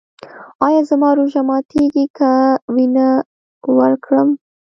ایا زما روژه ماتیږي که وینه ورکړم؟